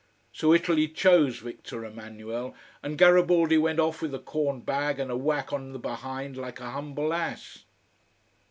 So Italy chose Victor Emmanuel, and Garibaldi went off with a corn bag and a whack on the behind like a humble ass.